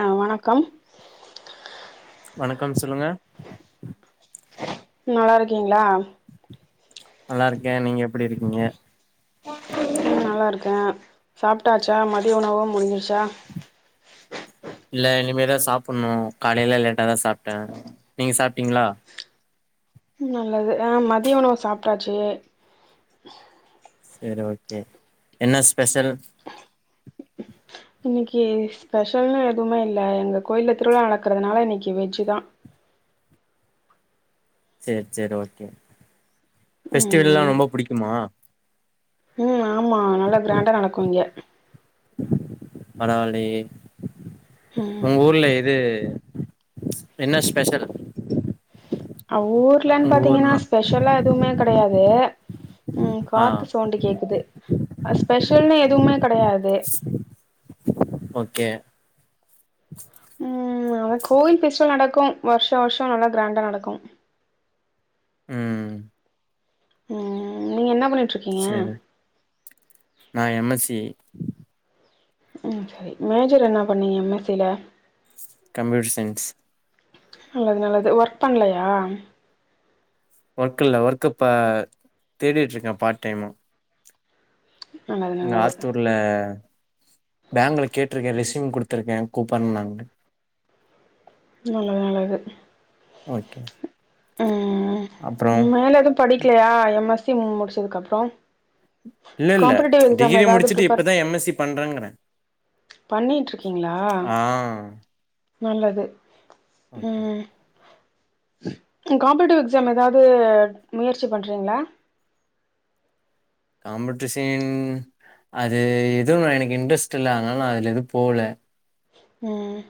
ஆ வணக்கம் வணக்கம் சொல்லுங்க நல்லாருக்கீங்ளா நல்லாருக்கே நீங்க எப்டி இருக்கீங்க? நல்லாருக்கே சாப்டாச்சா? மதிய உணவு முடிஞ்சிருச்சா? இல்ல இனிமே தா சாப்பண்ணு காலைல லேட்டா தா சாப்டே நீங்க சாப்டிங்களா? நல்லது அ மதிய உணவு சாப்டாச்சு செரி ஓகே என்ன ஸ்பெஷல் இன்னிக்கு ஸ்பெஷல்ன்னு எதுமே இல்ல எங்க கோயில திருவிழா நடக்குறதுனால இன்னைக்கு வெஜ்தா சேர் சேர் ஓகே பெஸ்டிவெல்லா ம் ரொம்ப புடிக்குமா? ம் ஆமா அ நல்ல க்கிராண்டா நடக்கு இங்க பரவாளையே ம் உங் ஊர்ல இது என்ன ஸ்பெஷல் ஊர்லன்னு உங்க பாத்தீங்கன்னா ஊர்னா ஸ்பெஷலா எதுவ்மே கடையாது ம் ஆ காத்து சவுண்டு கேக்குது ஸ்பெஷல்னு எதுவ்மே கடையாது ஓகே ம் ஆனா கோவில் ஃபெஸ்டிவல் நடக்கு வர்ஷோ வர்ஷோ நல்லா கிராண்டா நடக்கு ம் ம் நீங்க என்ன பண்ணிட் சேரு நா எம் எஸ் சி ம் சேரி மேஜர் என்னா பண்ணீங்க எம் எஸ் சி ல கம்ப்யூட்டர் சயின்ஸ் நல்லது நல்லது ஒர்க் பண்லையா வொர்க் இல்ல வொர்க் இப்ப தேடிட்டிருக்கே பார்ட் டைமு நல்லது அங்க நல்லது ஆத்தூரில பேங்க்ல கேட்டிருக்கே ரெஸ்யூம் குடுத்திருக்கே கூப்பன்னாங்க நல்லது நல்லது ஓகே ம் அப்றோ மேல எதுவு படிக்கலையா எம் எஸ் சி முடிச்சதுக்கு அப்றோ இல்ல இல்ல டிகிரி முடிச்சிட்டு இப்பதா எம் எஸ் சி பண்றங்கற பண்ணிட்டிருக்கீங்களா ஆ நல்லது ஓகே ம் காம்பட்டிவ் எக்ஸாமு ஏதாது முயற்சி பண்ணுறீங்ளா காம்படிஷன் அது எதுவு எனக் இன்ட்ரெஸ்ட் இல்ல அதனால எதுவு போகல ம்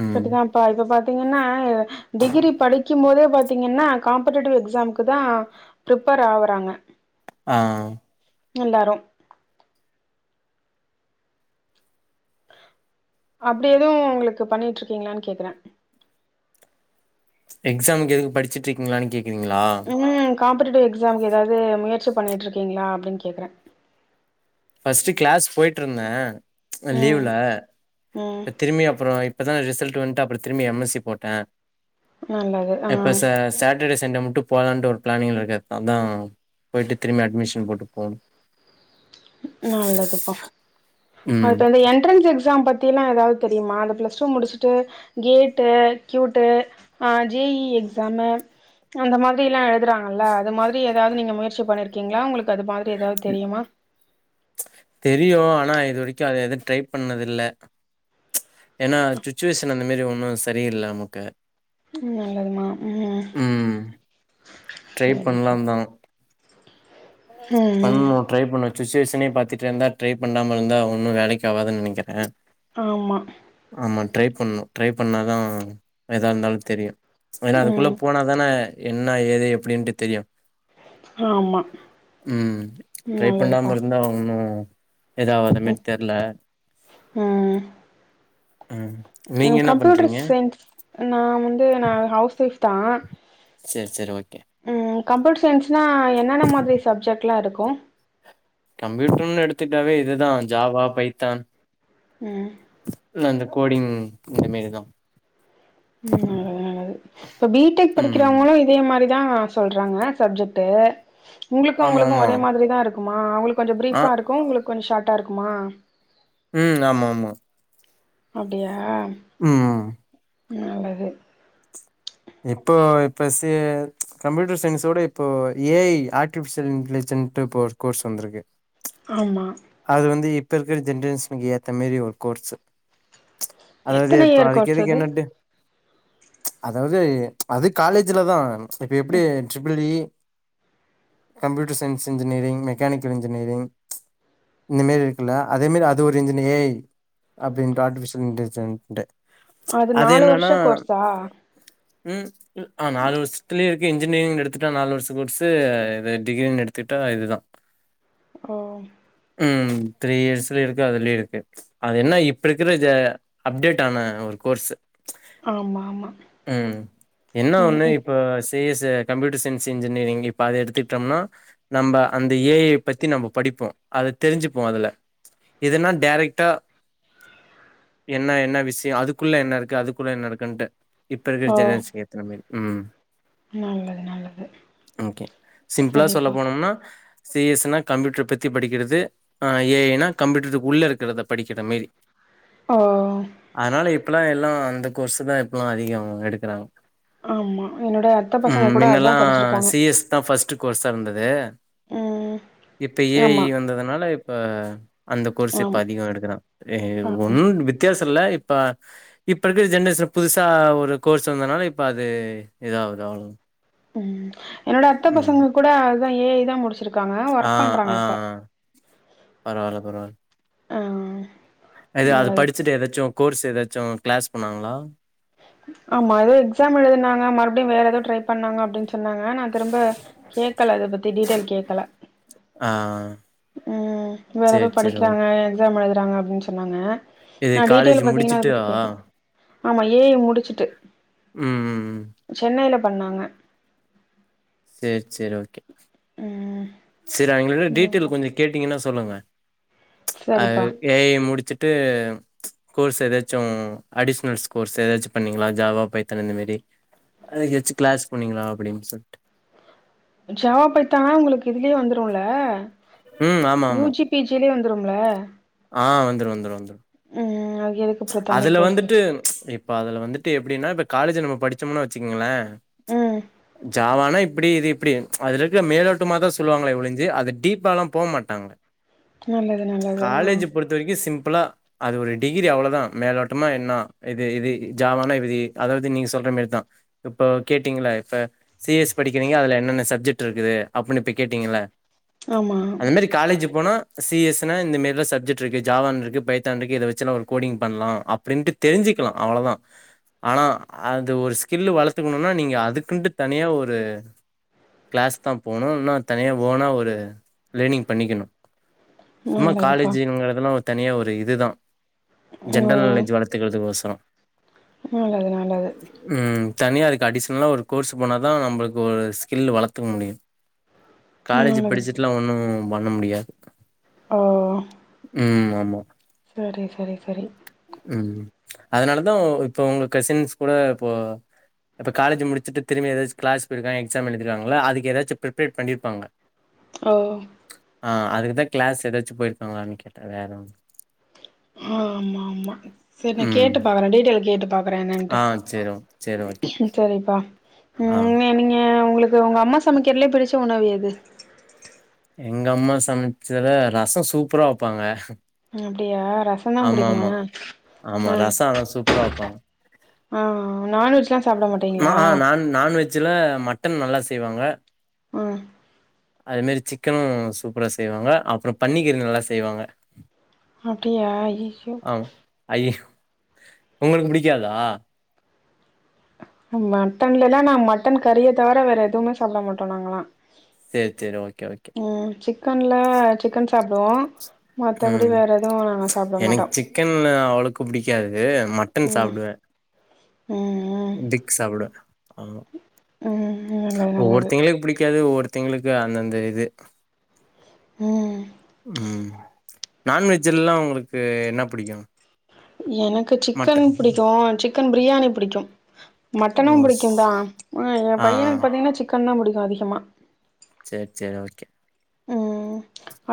ம் செரிதாம்பா இப்ப பாத்தீங்கன்னா இத டிகிரி படிக்கும் போதே பாத்தீங்கன்னா காம்பட்டிட்டிவ் எக்ஸாம்கு தா பிரிப்பர் ஆகுறாங்க ஆ எல்லாரு அப்டி எதுவு உங்களுக்கு பண்ணிட்டு இருக்கீங்களான்னு கேக்கறே எக்ஸாமுக்கு எதுக்கு படிச்சுட்டு இருக்கீங்களான்னு கேக்குறிங்களா காம்பட்டிட்டிவ் எக்ஸாம்கு ஏதாது முயற்சி பண்ணிட்டு இருக்கீங்களா அப்டின்னு கேக்ற ஃபஸ்ட்டு கிளாஸ் போயட்டுருந்தே ம் லீவ்ல ம் திரும்பியு அப்றோ இப்ப தா ரிசல்ட் வந்துட்டு அப்றோ திரும்பியு எம் எஸ் சி போட்டே நல்லது ஆ இப்ப ச சட் சட்டர்டே சண்டே மட்டும் போகலான்ட்டு ஒரு பிளானிங்ல இருக்கே அதா போயிட்டு திரும்பியு அட்மிஷன் போட்டு போணு நல்லதுப்பா ம் அடுத்து வந்து என் என்ட்ரன்ஸ் எக்ஸாம் பத்திலா ஏதாது தெரிமா அது ப்ளஸ் டூ முடிச்சுட்டு கேட்டு க்யூட்டு ஆ ஜே இ இ எக்ஸாமு அந்த மாதிரில்லா எழுதுறாங்கல்ல அது மாதிரி ஏதாது நீங்க முயற்சி பண்ணிருக்கீங்களா உங்களுக்கு அது மாதிரி ஏதாது தெரியுமா தெரியு ஆனா இது வரைக்கு அத எதுவு ட்ரை பண்ணதில்ல ஏன்னா சுச்சுவேஷன் அந்த மாரி ஒன்னு சரியில்ல நமக்கு ம் நல்லதுமா ம் ட்ரை சரி சரி ம் ம் பண்ணோ ட்ரை பண்ணு சுச்சுவேஷனே பாத்திட்டு இருந்த ட்ரை பண்ணாம இருந்தா ஒன்னு வேலைக்காவாதுன்னு நெனைக்கறே ஆமா ஆமா ட்ரை பண்ணு ட்ரை பண்ணாதா எதா இருந்தாலு தெரியு ஏன்னா அதுக்குள்ள ம் போனா தானே என்னா ஏது எப்டின்ட்டு தெரியு ஆமா ம் ட்ரை பண்ணாம நல்லதுப்பா இருந்தா ஒன்னு ஏதாவுறமாரி ம் தெர்ல ம் ம் நீங்க ம் என்ன கம்ப்யூட்டர் பண்றீங்க? சயின்ஸ் நா வந்து நா ஹவுஸ் ஒய்ஃப் தா சேரி சேரி ஓகே ம் கம்ப்யூட்டர் சயின்ஸ்னா என்னென்ன மாதிரி சப்ஜெக்ட்லா இருக்கும் கம்ப்யூட்டர்ன் எடுத்துட்டாவே இதுதான் ஜாவா பைத்தான் உம் இல்ல இந்த கோடிங் இந்த மாரிதா உம் நல்லது நல்லது இப்ப பிடெக் ம். படிக்கிறவங்களும் இதே மாரிதா சொல்றாங்க சப்ஜெக்ட்டு உங்களுக்கும் ஆமா அவுங்களுக்கும் ஆமா ஒரே மாதிரி தா இருக்குமா அவுங்களுக்கு கொஞ்சம் ஆ ப்ரீஃபா இருக்கும் உங்களுக்கு கொஞ்சம் ஷார்ட்டா இருக்குமா உம் ஆமா ஆமா அப்டியா உம் உம் நல்லது இப்போ இப்போ சி கம்ப்யூட்டர் சயின்ஸோட இப்போ ஏஐ ஆர்ட்டிஃபிஷியல் இன்டலிஜென்ஸ்ட் போ கோர்ஸ் வந்துருக்கு ஆமா அது வந்து இப்ப இருக்கிற ஜென்ரேஷனுக்கு ஏத்த மாரி ஒரு கோர்ஸ்சு அதாவது எத்தன இப்ப இயர் அதுக்கு கோர்ஸ் இதுக்கு அது என்ன டி அதாவது அது காலேஜ்லதா இப்ப எப்டி triple E computer science engineering mechanical engineering இந்த மாரி இருக்குல்ல அதே மாரி அது ஒரு இன்ஜினி ஏஐ அப்டின்ட்டு ஆர்டிபிஷியல் இன்டெலிஜென்ட்டு அது நாலு வருஷ கோர்ஸா உம் ஆ நாலு வருஷத்துல இன்ஜினியரிங் எடுத்துட்டா நாலு வருஷ கோர்ஸ்சு இது டிகிரின் எடுத்துட்டா இதுதா ஓ உம் த்ரீ இயர்ஸ்லயே இருக்கு அதுலயு இருக்கு அது என்ன இப்ப இருக்கிற இது அப்டேட் ஆன ஒரு கோர்ஸ்சு ஆமா ஆமா உம் என்ன ஒண்ணு ம் இப்ப சேஎஸ் கம்ப்யூட்டர் சயின்ஸ என்ஜினியரிங் இப்ப அத எடுத்துட்டோம்னா நம்ப அந்த ஏஐ பத்தி நம்ம படிப்போ அது தெரிஞ்சுப்போ அதுல இதுனா டேரெக்ட்டா என்ன என்ன விஷயோ அதுக்குள்ள என்ன இருக்கு அதுக்குள்ள என்ன இருக்குன்ட்டு இப்ப இருக்குற ஓ ஜெனரேஜுக்கு ஏத்த மாதிரி உம் நல்லது நல்லது ஓகே சிம்ப்ளா சொல்ல சரிப்பா போனோம்னா சிஎஸ் னா கம்யூட்டர் பத் தி படிக்கிறது ஏஐ ன்னா கம்ப்யூட்டருக்கு உள்ள இருக்கிறத படிக்கிற மாரி ஓ அதனால இப்பல்லா எல்லா அந்த கோர்ஸ் தா இப்பல்லா அதிகம் எடுக்கிறாங்க ஆமா என்னோட அத்த பசங்க உம் கூட அதா முன்னெல்லா படிச்சிருக்காங்க சிஎஸ் தா ஃபர்ஸ்ட் கோர்ஸா இருந்தது ம் இப்ப ஏஐ ஆமா வந்ததுனால இப்ப அந்த கோர்ஸ் இப்ப ஆம் அதிகம் எடுக்கிறா ஆமா ஒன்னும் வித்தியாசம் இல்ல இப்ப இப்ப இருக்குற ஜென்ரேஷன் புதுசா ஒரு கோர்ஸ் வந்தனால இப்போ அது இதாகுது அவ்ளோதா உம் என்னோட அத்த பசங்க கூட அதுதா ஏஐ தா முடிச்சிருக்காங்க ஆ, ஒர்க் ஆ. பண்றாங்க இப்ப பரவால்ல பரவால்ல ஆ அது அது நல்லதுப்பா படிச்சுட்டு ஏதாச்சு கோர்ஸ் ஏதாச்சும் கிளாஸ் போணாங்களா ஆமா ஏதோ எக்ஸாம் எழுதுனாங்க மறுபடியு வேற ஏதோ ட்ரை பண்ணாங்க அப்படின் சொன்னாங்க நா திரும்ப கேக்கல அத பத்தி டீட்டெயல் கேக்கல ஆ. ம் வேற சரி, எதோ சரி. ஓகே. படிக்கிறாங்க எக்ஸாம் எழுதுறாங்க அப்டின் சொன்னாங்க இது நா காலேஜ் டீட்டெயில் பாத்தீங்கன்னா அத முடிச்சுட்டா? பத்தி கேக்கல ஆமா ஏ ஐ முடிச்சுட்டு ம் ம், ம். சென்னையில பண்ணாங்க சேரி சேரி ஓகே ம் செரி அவிங்கள்ட்ட நல்லதுப்பா டீட்டெயில் கொஞ்சொ கேட்டீங்கன்னா சொல்லுங்க அ சரிப்பா ஏ ஐ முடிச்சுட்டு கோர்ஸ் எதாச்சு அடிஷ்னல்ஸ் கோர்ஸு ஏதாச்சும் பண்ணீங்ளா ஜாவா பைத்தான் அந்த மேரி அதுக்கு ஏச்சு க்ளாஸ் போணீங்ளா அப்டின் சொல்ட்டு ஜவா பைத்தான் லா உங்களுக்கு இதுலயே வந்துருல ம். ஆமா, யூ ஆமா. ஜி பி ஜி லயே வந்துரும்ல ஆ வந்துரு வந்துரு வந்துரு ம் ஓகே ஓ அதுல வந்துட்டு இப்ப அதுல வந்துட்டு எப்டின்னா இப்ப காலேஜ் நம்ம படிச்சம்னா வச்சுக்கங்கள அ ஜாவானா இப்டி இது இப்டி அதிலருக்கிற மேலோட்டமா தா சொல்லுவாங்களே ஓழிஞ்சி அது டீப்பாலாம் போ மாட்டாங்க நல்லது நல்லது ஆ காலேஜி பொறுத்த வரைக்கு சிம்பிளா அது ஒரு டி கிரி அவ்ளதா மேலோட்டமா என்னா இது இது ஜாவானா இது அதாவ்து நீங்க சொல்ற மேரிதான் இப்போ கேட்டீங்கள இப்ப சி எஸ் படிக்கிறீங்க அதுல என்னென்ன சப்ஜெட்ருக்குது அப்பினு இப்ப கேட்டீங்கள ஆமா காலேஜு போனா சி எஸ் னா இந்தமேரிலா சப்ஜெட் இருக்கு ஜாவான்ருக்கு பைத்தான்ருக்கு இத வச்சு நா ஒ கோடிங் பண்லா அப்டின்னுட்டு தெரிஞ்சிக்லா அவ்ளதா ஆனா அது ஒரு ஸ்கில்லு வளத்துக்குணுன்னா நீங்க அதுக்குன்ட்டு தனியா ஒரு க்ளாஸ் தா போணு ன்னா தனியா ஓனா ஒரு லேனிங் பண்ணிக்கணு சும்மா நல்லதுப்பா காலேஜிங்கறதுலா ஒரு தனியா ஒரு இதுதா ஓ ஜென்ரல் நாளெஜ் வளத்துகறதுக்கோஸொ நல்லது நல்லது ம் தனியாருக்கு அடிஷ்னலா ஒரு கோர்ஸு போனா தா நம்பளுக்கு ஒரு ஸ்கில் வளத்துக்க முடியு [inaudible] காலேஜு நல்லது படிச்சுட்டுலா ஒண்ணும் பண்ண முடியாது ஓ ம் ஆமா சரி சரி சரி ம் அதனாலதா ஓ இப்போ உங்க கசின்ஸ் கூட இப்போ இப்ப காலேஜு முடிச்சுட்டு திரும்பி எதாச்சு க்ளாஸ் போயிருக்கா எக்ஸாம் எழுதிருக்காங்கல்ல அதுக்கு ஏதாச்சு பிரிப்ரேட் பண்ணிருப்பாங்க ஓ ஆ அதுக்குதா க்ளாஸ் ஏதாச்சு போயிருக்காங்களான்னு கேட்ட வேற ஒன் ஆ ஆமா ஆமா செரி நா ம் கேட்டு பாக்குற டீடெய்லு கேட்டுப் பாக்குறே என்னட்டு ஆ சேரி ஓ சேரி ஓகே சரிப்பா ஆ ஏ நீங்க உங்களுக் து உங்க அம்மா சமைக்கிறலே பிடிச்ச உணவு எது எங்க அம்மா சமைச்சல ரசம் சூப்பரா வைப்பாங்க அப்டியா ரசம்தான் புடிக்குமா ஆமா ஆ ரசோ ஆனா சூப்பரா வப்பாங்க ஆ நான்வெஜ்லாம் சாப்பிட நா மாட்டீங்களா ஆ நான் நான் வெஜ் ல மட்டன் நல்லா செய்வாங்க ம் அது மேரி சிக்கனும் சூப்பரா செய்வாங்க அப்பறோ பன்னிக்கறி நல்லா செய்வாங்க அப்டியா அய்யய்யோ ஐயோ உங்களுக்கு புடிக்காதா மட்டன்லல்லாம் நான் மட்டன் கறிய தவர வேற எதுவுமே சாப்பிட மாட்டோ நாங்களாம் சேர் சேர் ஓகே ஓகே ம் சிக்கன்ல்ல சிக்கன் சாப்புடுவோம் மத்தபடி வேற எதுவும் நாங்க சாப்பிட மாட்டோம் சிக்கன் அவ்ளோக்கு பிடிக்காது மட்டன் ம் சாப்பிடுவேன் ம் பிக் சாப்டுவே ஆ ம் ம் நல்லது நல்லது ஒவ்வொருதிங்களுக்கு புடிக்காது ஒவ்வொருதிங்களுக்கு அந்தந்த இது ம் ம் நான்வெஜ்ஜல்லாம் உங்களுக்கு என்ன புடிக்கும் எனக்கு சிக்கன் புடிக்கும் சிக்கன் பிரியாணி புடிக்கும் ஓ மட்டனும் புடிக்கும் தான் ஸ் அ என் ஆ ஆ பையனுக்கு பாத்தீங்கன்னா சிக்கன் தான் புடிக்கும் அதிகமா சேர் சேர் ஓகே ம்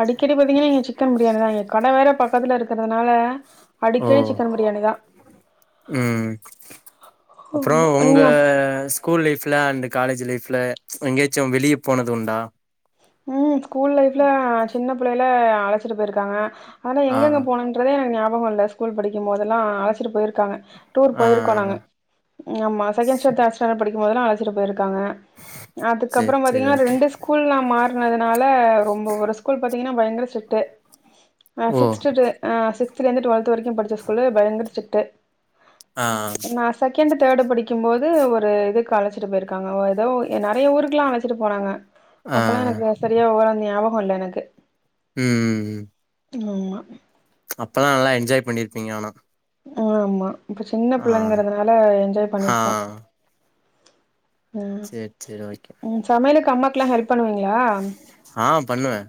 அடிக்கடி பார்த்திங்கன்னா இங்க சிக்கன் பிரியாணி தான் இங்க கட வேற பக்கத்தில இருக்கிறதுனால ஓ ம் அப்பறோ ஆமா உங்க நீங்க ஸ்கூல் லைஃப்ல அண்டு காலேஜ் லைஃப்ல எங்கேயாச்சும் வெளியே போனதுண்டா ம் ஸ்கூல் லைஃப்ல சின்ன புள்ளைல அ அழச்சிட்டு போய்ருக்காங்க ஆனா ஆ எங்கெங்க போனன் றது ஞாபக இல்ல ஸ்கூல் படிக்கும்போதல்லாம் அழசிட்டு போய்ருக்காங்க டூர் ஆ போய்ருக்கோ நாங்க நம்ப சகேன்சாண்டட் தேட்சாண்டட் படிக்கும்போதல்லாம் அழச்சிட்டு போயிருக்காங்க சேர் அதுக்கப்பறம் சேர் பாத்தீங்கன்னா ஓகே ரெண்டு ஸ்கூல் நான் மாற் அதனால ரொம்ப ஒரு ஸ்கூல் பாத்தீங்கன்னா பயங்கர சிட்டு ஆ ஓ சிக்ஸ்த்து டு அ சிக்ஸ்த்தல இருந்து டுவல்த் வரைக்கும் படிச்ச ஸ்கூல்ல பயங்கர சிட்டு ஆ நா செகண்டு் தேர்டு படிக்கும்போது ஒரு இதுக்கு அழச்சிட்டு போய்ருக்காங்க ஏதோ நறையா ஊருக்கலாம் அழச்சிட்டு போனாங்க ஆ அப்பலாம் எனக்கு சரியா ஒ ஞாபகோ இல்ல எனக்கு ம் ம் ம் ஆமா அப்பல்லா நல்லா என்ஜாய் பண்ணிருப்பீங்க ஆனா ஆமா இப்ப சின்ன ஆ புள்ளங்கரதுனால என்ஜாய் ஆ பண்ணிருப்போம் ம் சேர் சேர் ஓகே ம் சமையலுக்கு அம்மாக்குலாம் ஹெல்ப் பண்ணுவீங்களா ஆ பண்ணுவே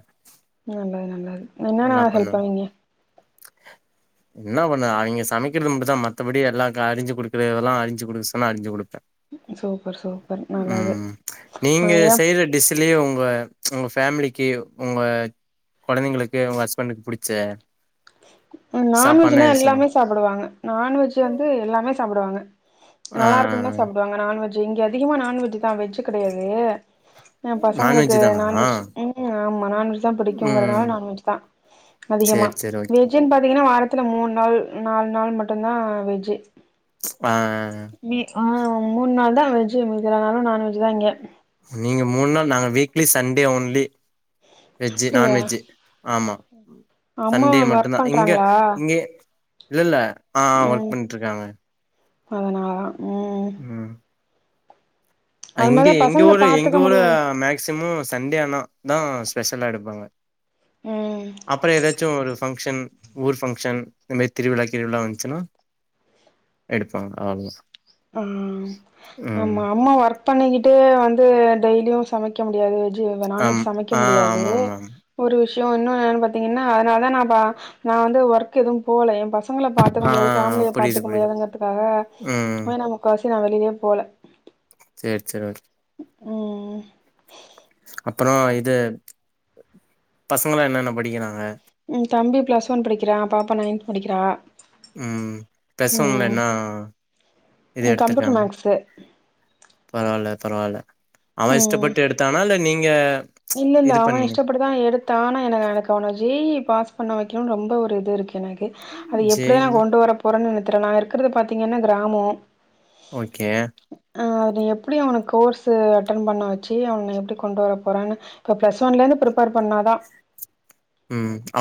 நல்லது நல்லது என்னென்ன நல்லா ஹெல்ப் பண்ணு பண்ணுவீங்க என்ன பண்ண அவிங்க சமைக்கிறது மட்டுந்தா மத்தபடி எல்லா க அறிஞ்சு குடுக்குறதெல்லாம் அரிஞ்சு குடுக்க சொன்னா அறிஞ்சு குடுப்பே சூப்பர் சூப்பர் நல்லது ம் நீங்க ஆ ஏ செய்ற டிஸ்லியே உங்க உங்க ஃபேமிலிக்கு உங்க கொழந்தைங்களு ஏ உங்க ஹஸ்பண்டுக்கு புடிச்ச சாப்பாடுனா நான்வெஜ்னா எது எல்லாமே சொன்னீங்க சாப் பிடுவாங்க நான்வெஜ் வந்து எல்லாமே சாப்டுவாங்க ஆ நல்லா இருக்குனு தா சாப்பிடுவாங்க நான்வெஜ் இங்க அதிகமா நான்வெஜ்ஜூ தா வெஜ்ஜூ கெடயாது அ பசங்களுக்கு நான்வெஜ் தானா நான்வெஜ் ம் ஆமா நான்வெஜ் தா பிடிக்குங்கறனால ம் நான்வெஜ் தா அதிகமா சேரி சேரி ஓகே வெஜ்ஜூ பாத்தீங்கனா வாரத்துல மூன் நாள் நால் நாள் மட்டுதா வெஜ்ஜூ ஆ மி அ மூணு நாள் தா வெஜ்ஜூ மீதி எல்லா நாளும் நான்வெஜ் தா இங்கே நீங்க மூணு நாள் நாங்க வீக்லி சன்டே ஒன்லி வெஜ்ஜு அப்டியா நான்வெஜ்ஜு ஆமா அம்மா சன்டே மட்டுதா ஒர்க் இங்க பண்றாங்களா இங்கேய இல்லல்ல ஆ ஒர்க் பண்ட்டுருக்காங்க அதனலாதா ம் ம் அது இங்கே மாரி எங்க பசங்கள ஊர் எங்க பாத்துக்க ஊரு முடியாது மேக்சிமம் சன்டே ஆனா தா ஸ்பெஷலா எடுப்பாங்க ம் அப்பறோ ஏதாச்சும் ஒரு ஃபங்க்ஷன் ஊர் ஃபங்க்ஷன் இந்தமாரி திருவிழா கிருவிழா வந்துச்சுனா எடுப்பாங்க அவ்ளாதா ஆ ஆமா அம்மா ஒர்க் பண்ணிக்கிட்டு வந்து டெய்லியு சமைக்க முடியாது வெஜ்ஜு வே ஆம் நான்வெஜ் சமைக்க ஆ முடியாது ஆமா ஆமா ஆமா ஒரு விஷ்யோ இன்னு என்னனு பாத்தீங்கனா அதனால தா நா பா நா வந்து ஒர்க் எதுவு போல எ பசங் பசங்கள பாத்துக்க ஆ முடியாது ஃபேமிலிய புரியுது பாத்துக்க புரியுது முடியாதுங்கிறதுக்காக ம் வே நா முக்காவாசி நா வெளியவே போல சேர் சேரி ஓகே ம் அப்பறோ இது பசங்களா என்னென்ன படிக்கிறாங்க ம் தம்பி பிளஸ் ஒன் படிக்கிறா பாப்பா நைன்த் படிக்கிறா ம் பிளஸ்ஒன்ல ம் என்னா இது கம்ப்யூட்டர் எடுத்திருக்காங்க மேக்ஸு பரவால்ல பரவால்ல அவே ம் இஷ்டப்பட்டு எடுத்தானா இல்ல நீங்க இல்ல இல்ல இது அவே பண்ணீங்க இஷ்டபட்டு தா எடுத்தா ஆனா என எனக்கு அவன ஜெ இ பாஸ் பண்ண வக்கணு ரொம்ப ஒரு இது இருக்கு எனக்கு அது எப்டிதா நா ஜேன்னா கொண்டு வர போறேனு எனக் தெரில நா இருக்கறது பாத்தீங்கனா கிராமோ ஓகே ஆ அது எப்டி அவனுக் கோர்ஸு அட்டன் பண்ண வச்சு அவன எப்டி கொண்டு வர போறேனு இப்ப பிளஸ் ஒன்லேருந்து பிரிப்பேர் பண்ணாதா ம் அவ்